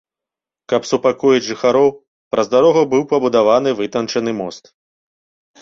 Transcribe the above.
Каб супакоіць жыхароў, праз дарогу быў пабудаваны вытанчаны мост.